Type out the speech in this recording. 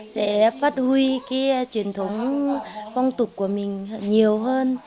sẽ phát huy cái truyền thống phong tục của mình nhiều hơn